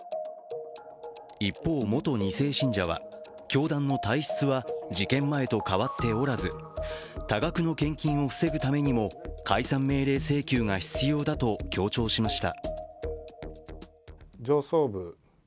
一方、元２世信者は、教団の体質は事件前と変わっておらず多額の献金を防ぐためにも解散命令請求が必要だと強調しました。